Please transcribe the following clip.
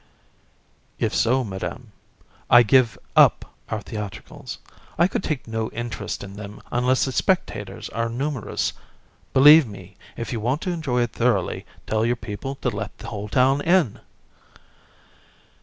VISC. If so, Madam, I give up our theatricals. I could take no interest in them unless the spectators are numerous. Believe me, if you want to enjoy it thoroughly, tell your people to let the whole town in. COUN.